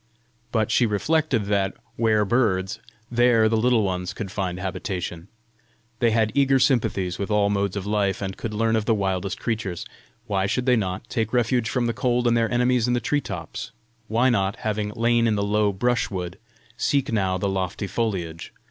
But she reflected that where birds, there the Little Ones could find habitation. They had eager sympathies with all modes of life, and could learn of the wildest creatures: why should they not take refuge from the cold and their enemies in the tree tops? why not, having lain in the low brushwood, seek now the lofty foliage?